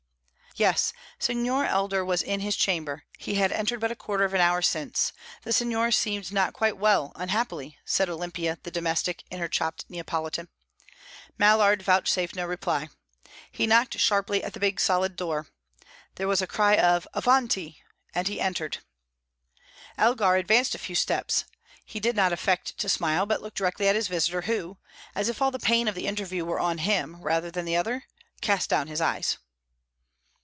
Yes, Signor Elgar was in his chamber; he had entered but a quarter of an hour since. The signor seemed not quite well, unhappily said Olimpia, the domestic, in her chopped Neapolitan. Mallard vouchsafed no reply. He knocked sharply at the big solid door. There was a cry of "Avanti!" and he entered. Elgar advanced a few steps. He did not affect to smile, but looked directly at his visitor, who as if all the pain of the interview were on him rather than the other cast down his eyes.